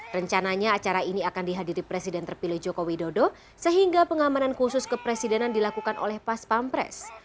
rencananya acara ini akan dihadiri presiden terpilih joko widodo sehingga pengamanan khusus kepresidenan dilakukan oleh pas pampres